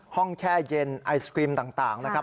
ห้องแช่เย็นไอซิกรีมต่างนะครับ